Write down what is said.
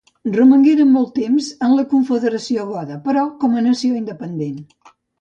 Romangueren molt de temps en la confederació goda, però com a nació independent.